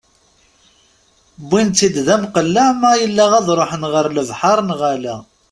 Wwin-tt-id d amqelleɛ ma yella ad ruḥen ɣer lebḥer neɣ ala.